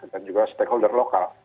dan juga stakeholder lokal